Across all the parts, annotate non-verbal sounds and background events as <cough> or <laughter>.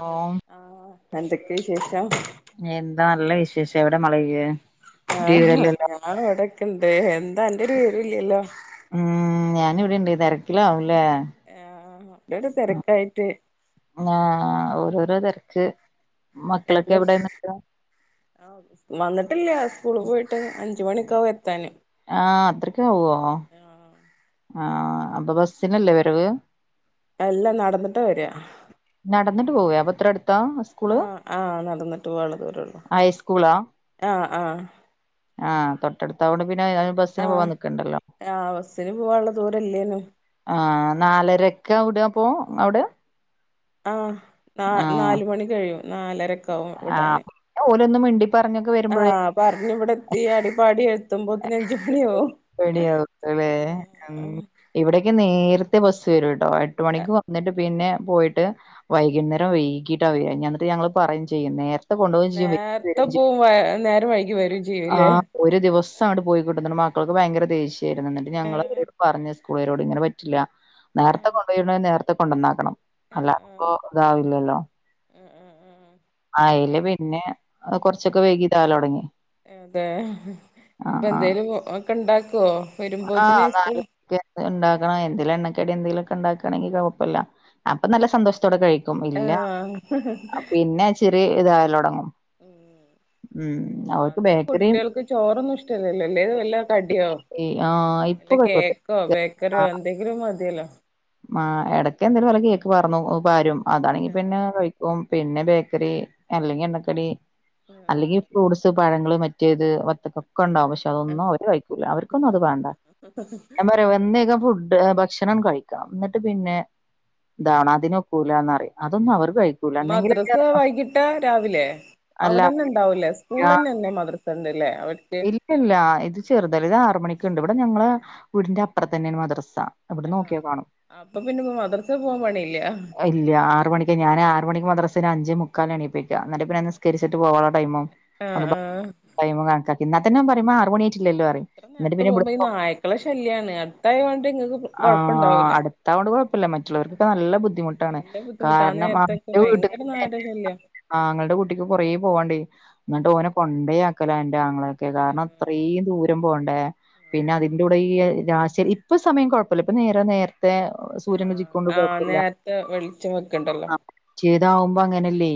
Hello ആ തഎന്തൊക്കെയാ വിശേഷം എന്താ നല്ല വിശേഷം എവിട മോളേ വീ ആ ഹ്‌ ഹാ ഞാൻഉവിടൊക്കെ ഇണ്ട് എന്താ അന്റെ ഒരു വിവരുല്ലല്ലോ ഊം ഞാനിവിടിണ്ട് തെരക്കിലാവു എ ആ ഇവട തിരക്കായിട്ട് ങാ ആ ഓരോരോ തെരക്ക് മക്കളൊക്കെ എവിടെ നിക്കണേ ആ വന്നട്ടില്ലാ സ്കൂളി പോയിട്ട് അഞ്ചുമണിക്കാവു എത്താന് ഉവ്വോ ആഹ് ആ അപ്പൊ ബസിനല്ലേ വരവ് അല്ല നടന്നിട്ടാ വരാ നടന്നിട്ട് പോവേ അപ്പൊ ഇത്ര അടുത്താ സ്കൂള് അ ആ നടന്നട്ട് ഓളത് വരോള്ളൂ ഹൈസ്കൂളാ ആ ആ ആ തൊട്ടടുത്തായോണ്ട് പിന്നെ ഏതായാലും ബസ്സിന് പോവാൻ നിക്കണ്ടല്ലോ ഇവാള ദൂരല്ലേന്ന് ആ നാലരയ്ക്ക അവിടെ പോ അവിടെ ആ നാ ആ നാല് മണി കഴിയും നാലരക്കാവും വിടാന് ഒന്നും മിണ്ടി പറഞ്ഞൊക്കെ ആ വരുമ്പോഴേ പറഞ്ഞ് ഇവിടെത്തി ആടിപാടി എ പത്തൊമ്പത്തിനഞ്ച് മണിയാവും ഹ് ഹാ ഹാ എനിക്ക് നേരത്തെ ബസ്സ് വരൂട്ടോ എട്ട് മണിക്ക് വന്നിട്ട് പിന്നെ പോയിട്ട് വൈകുന്നേരം വൈകീട്ട് വരാ ഞാൻ എന്നിട്ട് ഞങ്ങള് പറയും ചെയ്യും നേര അ കൊണ്ടോവേം ചെയ്യും നേരത്തെ വരേം ചെയ്യും പോവും നേരം വൈകി വരും ആ ചെയ്യൂല്ലേ ഒരു ദിവസ ചാടി പോയികൊണ്ട് എന്താണ് മാക്കൾക്ക് ഭയര ദേഷ്യായിരുന്നു എന്നിട്ട് ഞങ്ങള് ഏഹ് അവരോട് പറഞ്ഞ് സ്കൂളാരോട് ഇങ്ങന പറ്റില്ല നേരത്തെ ആഹ് കൊണ്ടോയി വിടണെ നേരത്തെ കൊണ്ടൊന്നാക്കണം അല്ല അപ്പോ ആഹ് ഇതാവില്ലല്ലോ ആഹ് ആഹ് ആഹ് അയ്ല് പിന്നെ എ കൊറച്ചൊക്കെ വൈകീ താല തൊടങ്ങി അതെ ഹ്ഹ് ഇപ്പ എന്തേലും ഒ ഓക്ക് ഇണ്ടാക്കോ ആ നാല് മണിക്ക് എന്തേലും എണ്ടാക്കണം എന്തേലും എണ്ണ ക്കടി എന്തേലൊക്ക ഉണ്ടാക്കയാണെങ്കി കുഴപ്പുല്ല അപ്പ നല്ല സന്തോഷം ത്തോടെ കഴിക്കും ഇല്ല ആഹ് അ പിന്നെ ചെറിയ ഇതായാലൊടങ്ങും ഉം അന്ന് ബേക്കറി കുട്ടികൾക്ക് ചോറൊന്നും ഇഷ്ടല്ലല്ലല്ലേ വല്ല കടിയോ ഈ ആഹ് ഇപ്പൊ വല്ല കൊഴപ്പല്ല. കേക്കോ ബേക്കറിയോ എന്തെങ്കിലും മതിയല്ലോ ആ ഇടക്കെ എന്തേലും വല്ല കേക്ക് വറന്നു വാരും അതാണെങ്കി ആഹ് പിന്നെ കഴിക്കും പിന്നെ ബേക്കറി അല്ലെങ്കി എണ്ണക്കടി അല്ലെങ്കി ആഹ് ഫ്രൂട്സ് പഴങ്ങള് മറ്റേത് വർത്തക്ക ക്കൊണ്ടാവും പക്ഷെ അതൊന്നും ആഹ് അവര് കഴിക്കൂല അവർക്കൊന്നും അത് വാണ്ട ആഹ് ഞാൻ പറയും അതന്നെ ഒന്നേകാ പുട് ഭക്ഷണം കഴിക്കാം എന്നിട്ട് പിന്നെ ഇതാണഅതിനൊക്കൂ ല്ലാന്നറിയാ അതൊന്നും അവർക്ക് കഴിക്കൂല എന്തെങ്കിലൊക്ക മദ്രസ വൈകിട്ട് രാവിലെ അ അവിടെന്നെ ഇണ്ടാവൂലേ സ്കൂളിൽ തന്നെന്നേ മദ്രസന്നല്ലേ ഇല്ല ഇല്ല ഇത് ചെറുതല്ല ഇത് ആറ മണിക്കുണ്ട് ഇവിടെ ഞങ്ങള് വീടിന്റെ അപ്പുറത്തന്നേണ് മദ്രസ ഇവട ആഹ് നോക്കിയാ കാണും അപ്പൊ പിന്നെ മദ്രസ പോവാൻ പണിയില്ല ഇല്ല ആറ് മണിക്ക് ഞാൻ ആറ് മണിക്ക് മദ്രസ ഒര്അഞ്ചേ മുക്കാലിന് എണീപ്പിക്ക എന്നിട്ട് പിന്നെ നിസ്കരിച്ചിട്ട് പോകാൻ ടൈമാകും ആഹ് ഒന്ന് ബ ആഹ് ടൈമ് കാണിക്ക എന്നാത്തന്നെ അവൻ വരുമ്പ ആറു മണി അത്ര എന്നിട്ട് നേരത്തെ പിന്നെ പോവുമ്പ ഈ ഇവിടുന്ന് നായ്ക്കളെ ശല്യാണ് അടുത്തായോണ്ട് ഇങ്ങക്ക് കൊ കൊഴപ്പുണ്ടാവൂല്ല അതുകൊണ്ട് കൊഴപ്പുല്ല മറ്റുള്ളവർക്ക് നല്ല ബുദ്ധിമുട്ടാണ് നല്ല ബുദ്ധിമുട്ടാ ആ കാരണം നേരത്തൊക്കെ അന്റെ വീട്ട ഭയങ്കര നായടെ ശല്യ ആങ്ങളട കുട്ടിക്ക് കൊറേ പോവാൻണ്ട് എന്നട്ട് ഓന കൊണ്ടേയാക്കി ഇന്നലെ എന്റെ ആങ്ങളയൊക്കെ കാരണം ആഹ് അത്രേം ദൂരം പോവ ഏ പിന്നെ അതിന്റെ കൂടെ ഈ രാശരി ഇപ്പ സമയം കൊഴപ്പുല്ല ഇപ്പ നേര നേരത്ത് ത്തെ സൂര്യൻ ആഹ് ഉദിക്കൊണ്ട് ആഹ് കൊഴപ്പുല്ല നേരത്തെ വെളിച്ചം വെക്കണ്ടല്ലോ ആ ഇതാവുമ്പ അങ്ങനല്ലേ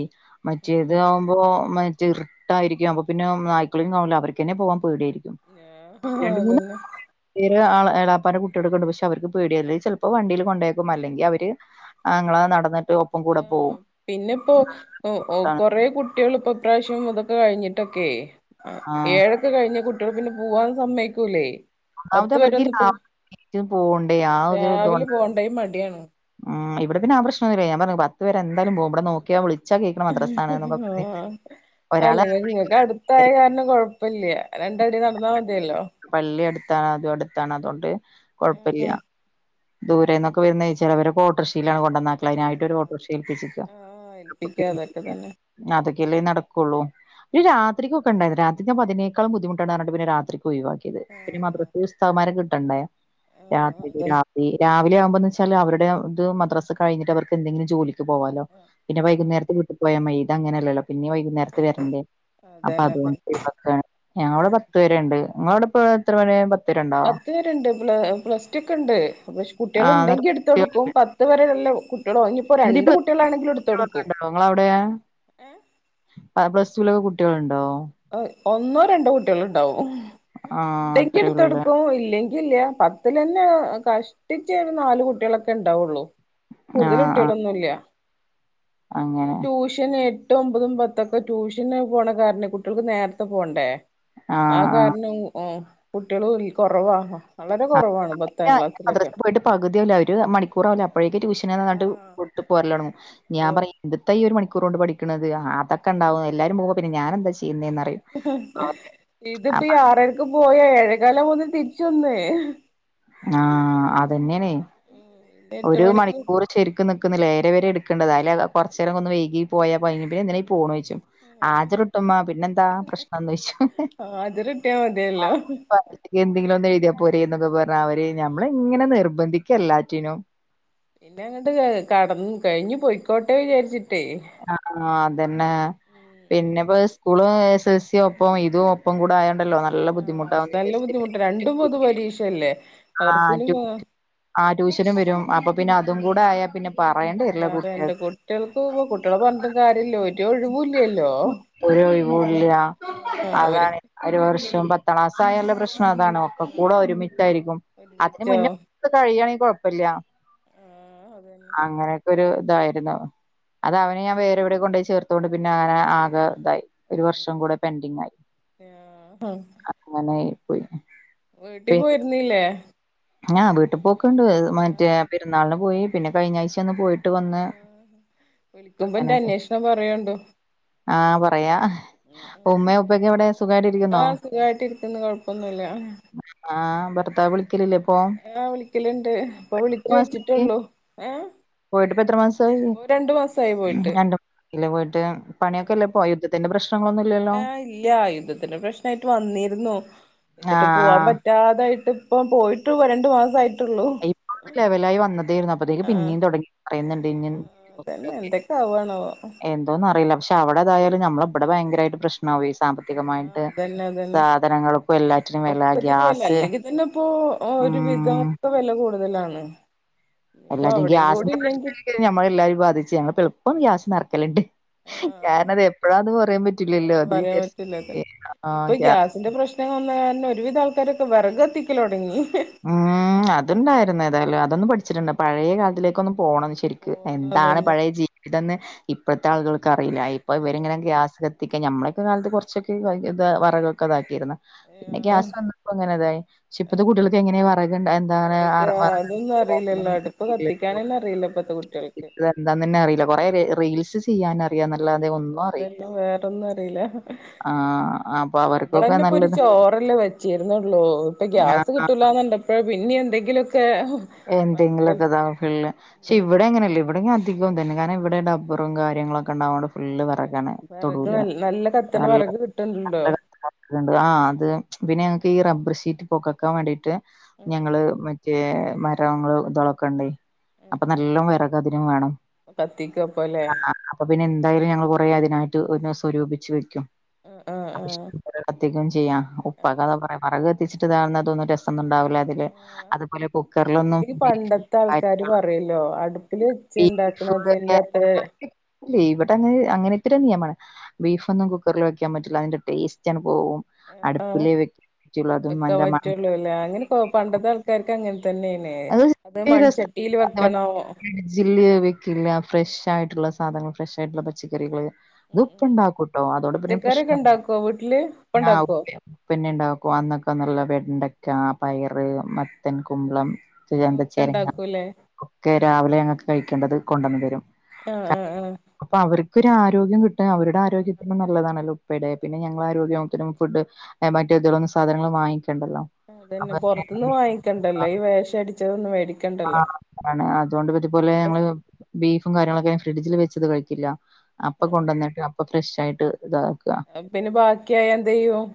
മറ്റേത് ഉം ആവുമ്പോ മ ചെറുട്ടായിരിക്കും അപ്പ പിന്ന നായ്ക്കളും കാണില്ല അവര്ക്കന്നെ പോവാം ഇവടേരിക്കും ആഹ് രണ്ട് മൂന്ന് അതന്നെ ആ ഏലാപ്പാന്റെ കുട്ടികളൊക്കെണ്ട് പക്ഷെ അവർക്ക് പേടിയല്ലേ ചെലപ്പോ വണ്ടിയിൽ കൊണ്ടേക്കും അല്ലെങ്കിൽ അവര് ആങ്ങള നടന്ന് ആ പിന്നെപ്പോ ഓ ഓ കൊറേ കു കുട്ടികള് ഇപ്പൊ ഇപ്രാവശ്യം ഇതൊക്കെ കഴിഞ്ഞിട്ടൊക്കെ ആ ആഹ് ഏഴൊക്കെ കഴിഞ് കു ട്ടീള് പിന്നെ പോവാൻ സമ്മയിക്കൂലേ. ഒന്നാമത് പത്ത് വരെ അവർക്ക് ഈ ഒന്നും ഇപ്പൊ രാവിലെ എണീറ്റ് പോണ്ടേ ആ ഒരു ഇതോണ്ട രാവിലെ പോണ്ടേ മടിയാണ്. ഇവിടെ പിന്നെ ആ പ്രശ്നന്നുമില്ലയ് ഞാൻ പറഞ്ഞു പത്ത് വരെ എന്തായാലും പോവും ഇവിടെ നോക്കിയ വിളി ആ ആ ഒരാളെ അല്ലെങ്കിൽ നിങ്ങൾക്ക് അടുത്തായ അറിയായിരിക്കും കാരണം കൊഴപ്പല്ല രണ്ടടി നടന്നാൽ മതിയല്ലോ. അ അടുത്താണ് അതുകൊണ്ട് കുഴപ്പല്ല ഉം ദൂരെന്നൊക്കെ വരുന്ന ചിലവരൊക്കെ ഓട്ടോറിക്ഷീലാണ് കൊണ്ടന്നാക്കല് അതിനായിട്ട് ഒരു ആഹ് ഓട്ടോറിക്ഷേൽപ്പിച്ചക്ക ആഹ് അപ്പം ഏൽപ്പിക്കാ അതൊക്കെ പേടിയില്ല. തന്നെ അതൊക്കെല്ലേ നടക്കുള്ളൂ. ഒരു രാത്രിക്കൊക്കെ ഉണ്ടായിരുന്നു രാത്രിആകുബോ അതിനേക്കാൾ ബുദ്ധമുറ്റാണ് പറഞ്ഞിട്ട് പിന്നെ രാത്രി ഒഴിവാക്കിയത് പിന്നെ ആഹ് മദ്രസ്ൽ ഉസ്താദുമാരെ കിട്ടണ്ടേ ആഹ് രാത്രി അതെ രാത്രി രാവിലെ ആവുമ്പോ ച്ചയി വും അവരുടെ ഇത് മദ്രസ് കഴിഞ്ഞിട്ട് അവർക്ക് എന്തെങ്കിലും ജോലിക്ക് പോകാലോ പിന്നെ ആഹ് വൈകുന്നേരത്തിന് വീട്ട്ക്ക് പോയാൽ മതി. ഇത് അങ്ങനെയല്ലല്ലോ. പിന്നിം വൈകുന്നേരത്ത് വരണ്ടേ അപ്പൊ അതന്നെ അതുകൊണ്ടക്കെ ഞങ്ങളവിടെ പത്ത് വരെണ്ട്. ങ്ങളെ അവിടെപ്പം എത്ര വരെ പ പത്ത് വരെണ്ട് പ്ല പ്ലസ് ടു ക്കെണ്ട് പക്ഷെ കുട്ടികൾ ആഹ് എന്നിട്ട് ഉണ്ടെങ്കി എടുത്ത കൊടുക്കും കുട്ടികളൊക്കെ പത്ത് വരെ കുട്ടികളോ ഇനിയിപ്പോ എന്നിട്ട് ഈ രണ്ട് പ്ലസ് ടു കുട്ടികളാണെങ്കിലും കുട്ടികളൊക്കെ എടുത്ത്ടുക്കും. ആ പ്ലസ് ടു ലൊക്കെ കുട്ടികളുണ്ടോ. ഒന്നോ രണ്ടോ കുട്ടികള്ണ്ടാവും ആഹ് ഉണ്ടെങ്കി അത്രേ എടുത്ത് ഉള്ളൂല്ലേ കൊടുക്കും ഇല്ലെങ്കി ല്ല പത്തിലന്നെ കഷ്ടിച്ചേ ഒരു നാല് കുട്ടികളൊക്കെ ഉണ്ടാവുള്ളു. കൂടുതൽ ആഹ് ആഹ് കുട്ടികളൊന്നുംല്ല ഈ അങ്ങനെ ട്യൂഷന് എട്ട് ഒമ്പതും പത്തൊക്കെ ട്യൂഷന് പോണ കാരണെ കുട്ടികൾക്ക് നേരത്തെ പോണ്ടേ. ആ ആഹ് ആഹ് കാരണം ഇ എ കുട്ടികള് കുറവാ. വളരെ <unintelligible> കുറവാണ് പത്താം ക്ലാസ്സിലൊക്കെ മദ്രസൽ പോയിട്ട് പകുതിയാവൂല ഒരു മണിക്കൂറാവൂല അപ്പോഴേക്ക് ട്യൂഷൻ നാ പറഞ്ഞിട്ട് ആഹ് വിട്ടുപോരലോടങ്ങും ഞാൻ ഓ പറിം ഇത് എത്താ ഒരു മണിക്കൂ റോണ്ട് പഠിക്ക്ണത് അതൊക്കെ ഉണ്ടാവ എല്ലാരും പോവുബോ ഞാൻ പിന്നെ ഞാൻ എന്താ ചെ ഇതിപ്പോ അപ്പ ഈ ആറരക്ക് പോയ ഏഴ കാലവുബോത്തിന് തിരിച്ച് വന്നേ. ആ അതന്നേണേ പിന്നെ എട്ട് ഒരു മണിക്ക് മണിക്കൂർ ശെരിക്കും നി ക്കുന്നില്ല ഏഴര വരെ എടുക്കേണ്ടതാ അയില് കുറച്ചുനേരം ഒന്ന് വൈകിപ്പോയ കഴിഞ്ഞു പിന്നെ എന്തിനാ ഈ പോണോയ് ആജർ ഇട്ടുമ്മാ പിന്നെന്താ പ്രശ്നളൊയ്ച്ചും. ഹാജറ് കിട്ടിയാ ആ മതിയല്ലോ ആ എന്തെങ്കിലും ഒന്ന് എഴുതിയ പോരെ എന്നൊക്കെ പറഞ്ഞാ അവര് നമ്മള് ഇങ്ങനെ നിർബന്ധിക്കല്ലാറ്റിനും. പിന്നെ അങ്ങട്ട് കട കഴിഞ്ഞ് പൊയിക്കോട്ടെ വിചാരിച്ചി ആഹ് ആ അതന്നെ പിന്നെ പ്പത് സ്കൂള് എസ് എൽ സി ആയപ്പം ഇതും ഒപ്പം കൂടെ ആയ ണ്ടല്ലോ നല്ല ആഹ് ബുദ്ധിമുട്ടാവുന്ന് നല്ല ബുദ്ധിമുട്ട് വിചാരിച്ച് രണ്ടും പൊതു <unintelligible> പരീക്ഷയല്ലേ ആ മദ്രസയിലും റ്റു ആ ട്യൂഷനും വരും അപ്പൊ പിന്നെ അതും കൂടെ ആയാ പിന്നെ പറയേണ്ടി വരില്ല പറയണ്ട കുട്ടികൾക്ക്. കുട്ടികൾക്ക് കുട്ടികളെ പറഞ്ഞിട്ടും കാര്യമില്ല ഒരു ഒഴിവൂല്ലല്ലോ ഒരു ഒഴിവു ഇല്ല. ആഹ് അതാണ് അവർക്ക് ഒരു വർഷം പത്താം ക്ലാസായാല്ല പ്രശ് അതാണ് ഒക്കെ കൂടെ ആഹ് ഒരുമിച്ചായിരിക്കും അതിന് ഒരുമിച്ചോ മുന്നേ <unintelligible> കഴിയണെങ്കി കൊഴപ്പല്ല്യ ആഹ് അതന്നെ അങ്ങനെയൊക്കെരു ഇതായിരുന്നു. അത് അവനെ ഞാൻ വേറെ എവിടെ കൊണ്ടോയി ചേർത്തോണ്ട് പിന്നെ അങ്ങനെ ആകെ ഇതായി. ഒരു വർഷം കൂടെ പെൻഡിങ് ആയി അങ്ങനെ പോയി. വീട്ടിക്ക് പിന്നെ പോയ്ര്ന്നില്ലേ. ആ വീട്ടിൽ പോക്കെുണ്ട് മറ്റേ പെരുന്നാളിന് പോയി പിന്നെ കഴിഞ്ഞ ആഴ്ച്ച ഒന്ന് പോയിട്ട് വന്ന്. ആഹ് വിളിക്കുമ്പോ ഇന്റെ അങ്ങനെയൊക്കെ അന്വേഷണം പറയോണ്ടു. ആ പറയാ ഉമ്മയു ഉപ്പയൊക്കെ എവിടെ. സുഖമായിട്ട് ആ ഇരിക്കുന്നോ സുഖായിട്ട് ഇരിക്കുന്നു കൊഴപ്പൊന്നുല്ല. ആ ഭർത്താവ് വിളിക്കലില്ലേ പ്പം ആ വിളിക്കല്ണ്ട് ഇപ്പോ വിളച്ച് എത്ര വെച്ചിട്ടൊള്ളൂ ഏ എത്രമാസായി രണ്ടു മാസായി പോയിട്ട് ഇല്ല പോയിട്ട് പണിയൊക്കെല്ലെപ്പോ യുദ്ധത്തിന്റെ പ്രശ്നം ആ ഇല്ല യുദ്ധത്തിന്റെ പ്രശ്നായിട്ട് വന്നിര്ന്നു എന്നിട്ട് ആഹ് പോവാൻ ആഹ് പറ്റാതായിട്ട് ഇപ്പം പോയിട്ട് വ രണ്ടു മാസായിട്ടൊള്ളൂ ഇപ്പൊ ലെവലായി വന്നതേയിരുന്നു അപ്പത്തേക്ക് പിന്നേും തുടങ്ങി പറയുന്നുണ്ട് അതന്നെ എന്തൊക്കെ ആവാണാവോ <inaudible> എന്തോന്ന അറിയില്ല പക്ഷെ അവിടെേതായാലും നമ്മള ഇവിടെ ഭയങ്കരമായിട്ട് പ്രശ്ന ണാവേ ആഹ് സാമ്പത്തികമായിട്ട് അതന്നെ അതന്നെ സാധനങ്ങൾക്ക് എല്ലാറ്റിനും വെല ഗ്യാസ് ഓ ഒരു വിദോ ഉം പ്പം വെല കൂടുതലാണ് ഇപ്പൊ എല്ലാര്തും അവിടെയും കൂടി ഗ്യാസിന്റെ ഇല്ലെങ്കിൽ പ്രശ്നാണെങ്കി ഞമ്മള എല്ലാവരിം ബാധിച്ച് ഞങ്ങൾ പ്പം എള്പ്പം ഗ്യാസ് നെറ്ക്കല്ണ്ട് ആഹ് കാരണം അത് എപ്പഴാന്ന് പറയാൻ പറ്റില്ലല്ലോ ആഹ് അത് പറയാൻ പറ്റൂലത് വിചാരിച്ച്ട്ടെ ആ ഇപ്പൊ <unintelligible> <unintelligible> ഒരുവിധ ആൾക്കാരൊക്കെ വെറക് കത്തിക്കൽ തൊടങ്ങി ഉം അതുണ്ടായിരുന്ന ഏതായാലും അതൊന്നും പഠിച്ചിട്ടുണ്ട് പഴയ കാലത്തിലേക്കൊന്ന് പോണം ശരിക്ക് ഫോണ് എന്താണ് അതന്നെ പഴയ ജീവിതംന്ന് ഇപ്പോഴത്തെ ആളുകൾ ല്ല ഇപ്പോൾ ഇവരിങ്ങനെ ഗ്യാസ് കത്തിക്ക നമ്മളൊക്കെ കാലത്ത് കുറച്ചൊക്കെ ഇ വിറകൊക്കെ ഇതാക്കിയിരുന്നു പിന്നെ ആഹ് ഗ്യാസ് വന്നപ്പോ ഇങ്ങനെതായി പക്ഷേ ഇപ്പത്തെ അതെ കുട്ടികൾ എങ്ങനെയ വറകണ്ട എന്താണ് അതൊന്നും അറിയില്ലല്ലോ അടുപ്പ് <unintelligible> <unintelligible> കത്തിക്കാനന്നെ അറിയില്ല ഇപ്പത്തെ കുട്ടികൾക്ക് ഇതെന്താന്ന്ന്നെ അയില്ല കൊറെ റീൽസ് ചെയ്യാൻ അറി അിറയാന്നല്ലാതെ ഒന്നും അറിയില്ല അതെല്ലാം വേറൊന്നും അറിയില്ല ആ അപ്പം അവർക്കൊക്കെ നമ്മളന്നെ ഇപ്പൊ ഒരു നല്ലതാ ചോറല്ലേ വെച്ചിര്ന്നുള്ളൂ ഇപ്പം ഗ്യാസ് കിട്ടല് എന്തെങ്കിലുംപ്പതാ <unintelligible> പക്ഷെ ഇവിടെ എങ്ങനെയല്ല ഇവിടെ അധികം ഇതന്നെ കാരണം ഇവിടെ ഡബ്ബറും കാര്യങ്ങളൊക്കെണ്ടായോണ്ട് ഫുള്ള് വെറക് ലാണ് വിറക് തൊടുല് നല്ല കത്തണ വിറക് <unintelligible> കിട്ടണ്ടല്ലോ <unintelligible> ആ അത് പിന്നെ ഈ റബ്ബർ ഷീറ്റ് പൊകക്കാൻ വേണ്ടിട്ട് ഞങ്ങള് മറ്റ് റ്റേ മരങ്ങള് ഇതാളൊക്കെണ്ട് അപ്പൊ നല്ല വിറകതിനും വേണം കത്തിക്കപ്പല്ലേ ആ അപ്പൊ പിന്നെ എന്തായാലും ഞങ്ങൾ കൊറെ അതിനായിട്ട് പിന്നെ സ്വരൂപിച്ച് വെക്കും <unintelligible> ആഹ് ആഹ് കത്തിക്കും ചെയ്യാം ഉപ്പെക്കതാ ആഹ് പറയാ വെറക് കത്തിച്ചിട്ട് താണന്നത് രസാ <unintelligible> ആഹ് അതുപോലെ കുക്കറിലൊന്നും അതില് ബീഫ് പണ്ടത്തെ ആൾക്കാര് പറയല്ലോ അടുപ്പില് വെച്ച് ഉണ്ടാക്കണതിന്റെ അത്ര <unintelligible> ല്ലേ ഇവിടെ അങ്ങനെ ഇവട്ത്തെ നിയമാണ് ബീഫൊന്നും കുക്കറിൽ വെക്കാൻ പറ്റില്ല അതിന്റെ ടേസ്റ്റ് പോവും ആഹ് അടുപ്പിലെ വെക്ക്ണ്തും വെക്കാൻ അതിൻ്റെ മണം പറ്റുള്ളൂല്ലേ അങ്ങനെ പണ്ടത്തെ ആൾക്കാർക്ക് അങ്ങന <unintelligible> വെക്കണോ ഫ്രെഷ് ഫ്രഷ് ആയിട്ടുള്ള സാധനങ്ങ ഫ്രഷ് ആയിട്ടുള്ള പച്ചക്കറികള് അത് ഉപ്പ ഉണ്ടാക്കൂട്ടോ അതോടെ പിന്നെ പച്ചക്കറിയൊക്കെ പ്രശ്നല്ല ഉണ്ടാക്കുവോ വീട്ടില് ഇപ്പ ആ ഇണ്ടാക്കുവോ ഉപ്പ ഉണ്ടാക്കും അന്നൊക്കന്ന്ള്ളത് വേഗംണ്ടാക്കും പയറ് മത്തൻ കുമ്പളം ആ ഒക്കെ ചെരങ്ങ ഇണ്ടാക്കൂല്ലേ ഒക്കെ രാവിലെ ഞങ്ങക്ക് കഴിക്കേണ്ടത് കൊണ്ടുവന്ന് തരും ആആ ആ ഒരു ആരോഗ്യം കിട്ടാൻഅവരുടെ ആരോഗ്യ ഇത്രും അതന്നെ നല്ലതാണല്ലോ ഉപ്പയുടെ പിന്നെ ഞങ്ങളുടെ ആരോഗ്യത്തിനും ഫുഡ് മറ്റേ ഇതളന്ന സാധനങ്ങൾ വാങ്ങിക്ക ണ്ടല്ലോ അ അതന്നെ പൊറത്തുന്ന് വാങ്ങിക്കണ്ടല്ലോ ഈ <unintelligible> വേഷം അടിച്ചതൊന്നും ആ മേടിക്കണ്ടല്ലോ അാണ് അതുകൊണ്ട് പറ്റിപലെ നല്ല ഞങ്ങള് ബീഫും കാര്യങ്ങളൊക്കെ ഫ്രിഡ്ജിൽ വെച്ചത് കഴിക്കില്ല അപ്പൊ കൊണ്ടുവന്നിട്ട് അപ്പൊ ഫ്രഷ് ആയിട്ട് ഇതാക്കുക പിന്നെ ബാക്കിയായ എന്ത യ്യും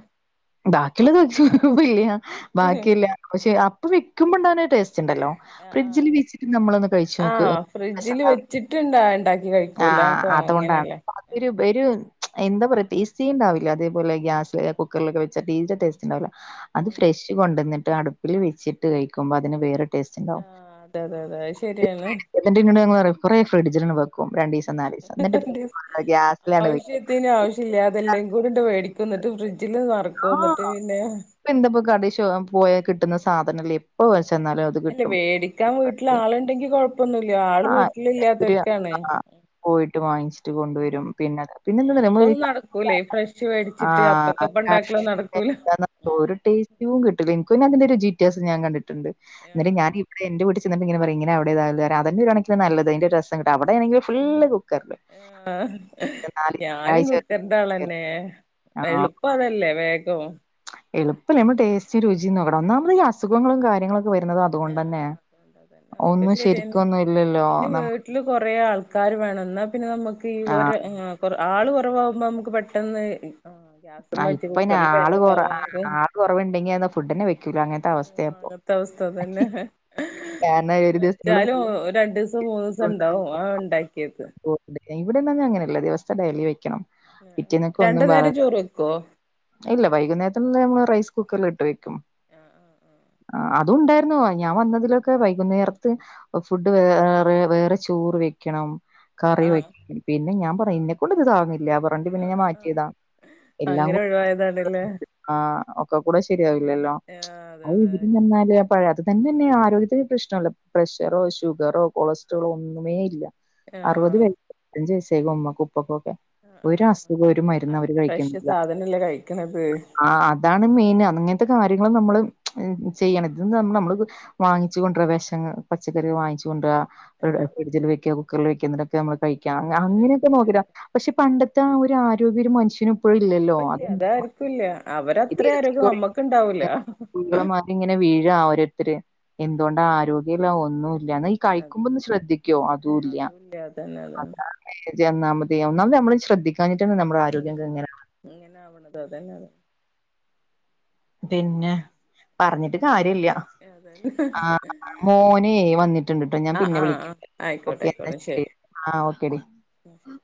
ബാക്കിയുള്ളത് <unintelligible> ഇല്ല ബാക്കല്ല പക്ഷേ അപ്പൊ വിൽക്കുമ്പോണ്ടാന ടേസ്റ്റ് ഉണ്ടല്ലോ ആഹ് ഫ്രിഡ്ജിൽ ആഹ് വീച്ചിട്ട് നമ്മളൊന്ന് കഴിച്ച നോക്ക്ആ ആഹ് ഫ്രിഡ്ജില് വെച്ചിട്ട്ണ്ടാ ഇണ്ടാക്കി കഴിക്കൂല അപ്പൊ അതുകൊണ്ടാണ് അങ്ങനെയല്ലേ അ അതൊരു ആഹ് ബെരു എന്താ പറയാ ടേസ്റ്റ ഉണ്ടാവില്ല അതേപോെ ഗ്യാസ്ില് കുക്കറിലക്കെച്ചാട്ട തീരെ ടേസ്റ്റ് ഉണ്ടാവില്ല അത് ഫ്രഷ് കൊണ്ടുവന്നിട്ട് അടുപ്പിൽ വെച്ചിട്ട് കഴിക്കുമ്പോ അതിന് വേറെ ടേസ്റ്റ് ഉണ്ടാവും അതെ അതെ അതെ അത് ഇത് ശെരിയാണ് ഫ്രിഡ്ജ് എന്നിട്ട് ഇങ്ങോട് കുറെ ഫ്രിഡ്ജിൽ വെക്കും രണ്ട് ദസം നാലല് ദിവസ എന്നി് ആവശ്യത്തിന് ആവശ്യമില്ല അതെല്ലാം കൂടിണ്ട് മേടിക്കന്നിട്ട് ഫ്രിഡ്ജിൽ ആ എന്തപ്പോ കട പോയ കിട്ടുന്ന സാധനല്ല എപ്പ പക്ഷ നാല അത് അല്ല കിട്ടും വേടിക്കാൻ വീട്ടിൽ ആളുണ്ടെങ്കി കൊഴപ്പൊന്നുല്ല ആള് ആ വീട്ടിലില്ലാത്തവർക്കാണ് ആ പോയിട്ട് വാങ്ങിച്ചിട്ട് ഉം കൊണ്ടുവരും പിന്നെ പിന്നെ ഞങ്ങക്കൊന്നും എന്ത നടക്കൂല ഈ ഫ്രഷ് ആ മേടിച്ചിട്ട് അപ്പക്കപ്പ ഇണ്ടാക്കലൊന്നും നടക്കൂല ഓരോ ടേസ്റ്റും കിട്ടില്ല എനിക്ക അതിന്റെറെ ഒരു ജീറ്റേസ് ഞാൻ കണ്ടിട്ട് ണ്ട് എന്ന ഞാന ആഹ് ഇ വ നെ നല്ല അ അെ ആഹ ഞാനും ആഴ്ച കുക്കർന്താളന്നെ എളുപ്പതല്ലേ വേഗ എളുപ്പില്ല നമ്മ ടേസ് രുചി നോക്കണം ഒന്നാമത് അുഖും കാര്യ ആഹ് അതുകൊണ്ടന്നെ അതുകൊണ്ട് അതന്നെ അതൊക്കെ ഒന്നും ശരിയന്നെ ശരിക്കുംന്ന പിന്നെ വീട്ടില് കൊറെേ ആൾക്കാാര് വേണം എന്നാ പിന്നെ നമ്മുക്ക് ഈ ആഹ് കൊ ആള് കുറവകുമ്പോ നമുക്ക് പെട്ടെന്ന് ആഹ് ഗ്യാസ്മ്മെ വെച്ച് ആ്പ്പൊ ഇന്ന കുക്കറിൽ ആ വേഗം കൊറ ഇണ്ടാവാൻ നോക്കും ആള് കുറവുണ്ടെങ്കി അ ഫുഡിനെ വെക്കൂല അങ്ങനെ ആ അങ്ങത്തെ അവസ്ഥ തന്നെ കാരണം ഒരു ദിവസത്തിനുള്ള വെച്ചാലും രണ്ടു ദിവസം മൂന്നു ഫുഡ് ദിവസം ഇണ്ടാവും ആ ഉണ്ടാക്കിയത് ഇവിടെന്തന്നും അങ്ങനെയല്ല ദിവസത്തെ ഡെയിലി വെക്കണം പിറ്റേന്നൊക്കെ രണ്ടു ഒന്നും പറ നേരം ചോറ് വെക്കോ ഇല്ല വൈകുന്നേര നമ്മ റൈ കുക്കറി ഇട്ട് വെക്കും ആഹ് ആഹ് ആഹ ആ അതും ഉണ്ടായിരുന്ന ഞാൻ വന്നതിലൊക്കെ വൈകുന്നേരത്ത് ഫുഡ് വേ വേറെ വെക്കണം ആഹ് കറി വെ ആഹ് പിന്നെ ഞാൻ പറെക്കണ്ട് ഇാ ല്ല പറി പിന്നെ ഞാൻ ആഹ് ആഹ് മാറ്റിയതാ എല്ലാം അങ്ങനെ ഒഴിവായതാണല്ലേ ആഹ ഒക്കെ കൂടെ ശരിയാവില്ലല്ലോ ആഹ് അതെ അത് അതെ ഇതിന്നാല് പഴ അത് തന്നെ തന്നെ ആരോഗ്യത്തി പ്രശ്നംമല്ല പ്രഷറോ ഷുഗറോ കൊളസ്ട്രോളോ ഒന്നുമേ ഇല്ല അറുത് ആഹ് വയസ് പഞ്ച് വയസ്സായികും ഉമ്മ കുപ്പ പോൊക്കെ ആഹ് ഒരു ആഹ് ആഹ് അസുഖം ഒരു മരുന്ന് അത് അവര് ഫ്രഷ് കഴിക്കുന്നില്ല സാധനല്ലേ കഴിക്കണത് ആ അതാണ് മെയിൻ അങ്ങനത്തെ കാര്യ നമ്മള് ചെയ്യണതിമ്മ നമ്മള് വാങ്ങിച്ച് കൊണ്ടുവരാ വിഷങ്ങ പച്ചക്കറിക വാങ്ങിച്ചു കൊണ്ടുവരാ ആഹ് ഫ്രഡ്ജിൽ വക്കുക കുക്കറിൽ വെക്കുന്നൊക്കെ നമ്മള് കഴിക്കാ ആഹ് അങ്ങനെയൊക്കെ കഴിക്കില്ല നോക്കിട്ട് അതെ പക്ഷെ പണ്ടത്തെ ആ ഒരു ആരോഗ്യ ഒരു മനുഷ്യനും ഇപ്പൊഴില്ലല്ലോ അ ഇപ്പല്ല അതാരിക്കുംല്ല അവരത്ര ആരോഗ്യം നമ്മക്ക്ണ്ടാവൂല <unintelligible> ഇങ്ങനെ വീഴ ആഓരരുത്തര് ഉം എന്തുകൊണ്ടാ ആരോ ല്ല ഒന്നുല്ല എന്ന കഴിക്കുമ്പോ ഒന്ന് ശ്രദ്ധിക്കോ അതും ഇല്ല അതാണെ ഒന്നാമതി ഒന്നാമത് നമ്മള് ശ്രദ്ധിക്കാഞ്ഞിട്ടാണ് നമ്മുടെ ആരോഗ്യംക്കെ ഇങ്ങനെയാണ് ഇങ്ങനെ ആവണത് അതന്നെ അതന്നെ പിന്നെ പറഞ്ഞിട്ട് കാര്യില്ല അതെന്നെ മോന് വന്നിട്ടുണ്ട്ട്ടോ ഞാൻ പിന്നെ വിളിക്ക ആഹ് ആയിക്കോട്ടെ എന്നാ ആ ഓേ എന്നാ ശരി